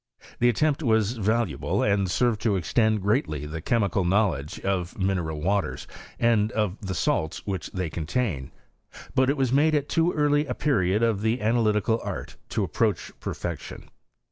The attempt was Taluable, and served to extend greatly the chemical knowledge of mineral waters, and of the salts which, they cMitain ; but it was made at too early a period of the analytical art, to approach perl'ection.